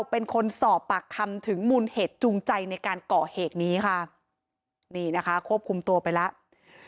เป็นคนสอบปากคำถึงมูลเหตุจูงใจในการก่อเหตุนี้ค่ะนี่นะคะควบคุมตัวไปแล้ว